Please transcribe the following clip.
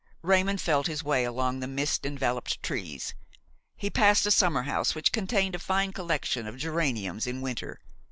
Raymon felt his way along the mist enveloped trees. He passed a summerhouse which contained a fine collection of geraniums in winter.